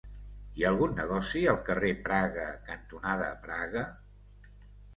Hi ha algun negoci al carrer Praga cantonada Praga?